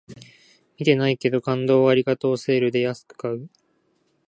見てないけど、感動をありがとうセールで安く買う